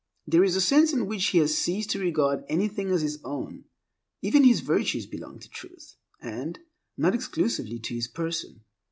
There is a sense in which he has ceased to regard anything as his own. Even his virtues belong to Truth, and not exclusively to his person.